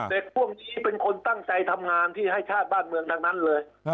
พวกนี้เป็นคนตั้งใจทำงานที่ให้ชาติบ้านเมืองดังนั้นเลย